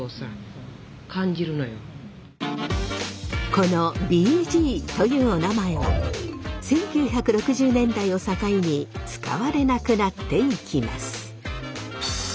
このＢＧというおなまえは１９６０年代を境に使われなくなっていきます。